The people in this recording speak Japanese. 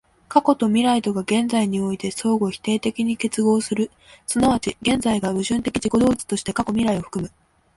過去と未来とが現在において相互否定的に結合する、即ち現在が矛盾的自己同一として過去未来を包む、